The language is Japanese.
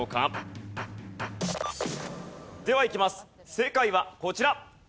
正解はこちら。